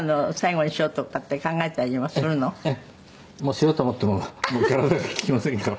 しようと思ってももう体が利きませんから」